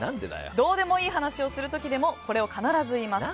どうでもいい話をする時でもこれを必ず言います。